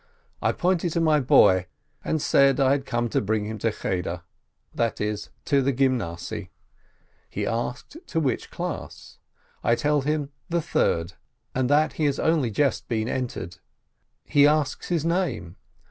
I pointed to my boy, and said I had come to bring him to Cheder. that is, to the Gymnasiye. He asked to which class? I tell him, the third, and he has only just been entered. He asks his name.